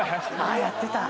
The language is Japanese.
あやってた！